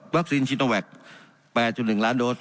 วัคซีนช๘๑ล้านโดซ